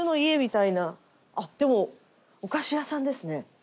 あっでもお菓子屋さんですね。